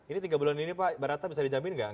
ini tiga bulan ini pak barta bisa dijamin gak